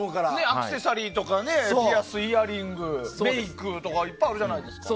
アクセサリーとかピアス、イヤリングメイクとかいっぱいあるじゃないですか。